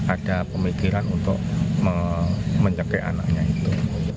ada pemikiran untuk mencekik anaknya itu